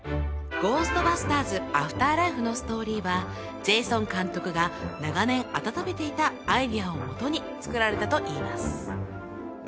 「ゴーストバスターズ／アフターライフ」のストーリーはジェイソン監督が長年温めていたアイデアをもとに作られたといいます